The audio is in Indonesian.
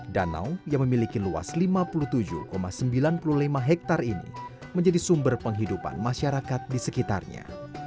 danau yang memiliki luas lima puluh tujuh sembilan puluh lima hektare ini menjadi sumber penghidupan masyarakat di sekitarnya